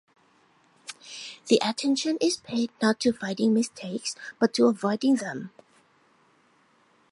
The attention is paid not to finding mistakes but to avoiding them.